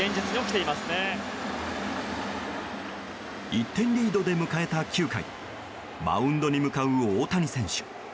１点リードで迎えた９回マウンドに向かう大谷選手。